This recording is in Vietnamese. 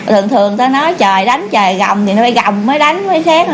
thường thường ta nói trời đánh trời gầm thì nó phải gầm mới đánh mới xét